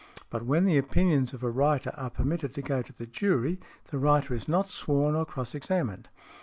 But when the opinions of a writer are permitted to go to the jury, the writer is not sworn or cross examined.